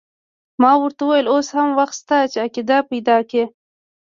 ما ورته وویل اوس هم وخت شته چې عقیده پیدا کړې.